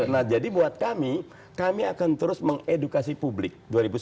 nah jadi buat kami kami akan terus mengedukasi publik